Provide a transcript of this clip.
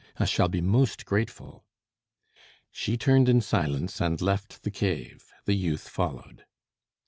"I shall be most grateful." She turned in silence and left the cave. The youth followed.